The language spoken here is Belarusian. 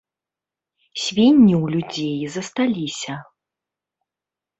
Свінні ў людзей засталіся.